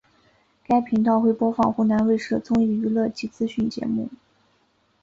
该频道会播放湖南卫视的综艺娱乐及资讯节目。